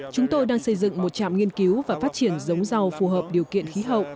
chúng tôi đang xây dựng một trạm nghiên cứu và phát triển giống rau phù hợp điều kiện khí hậu